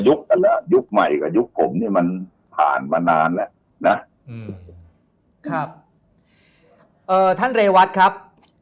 ยุคใหม่กับยุคผมเนี่ยมันผ่านมานานแล้วนะอืมครับเอ่อท่านเรวัตครับ